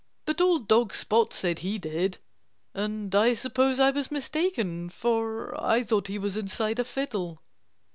But old dog Spot said he did. And I suppose I was mistaken, for I thought he was inside a fiddle."